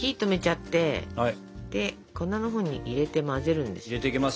で粉のほうに入れて混ぜるんです。